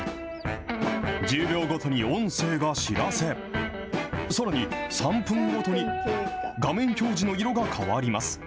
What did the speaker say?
１０秒ごとに音声が知らせ、さらに、３分ごとに画面表示の色が変わります。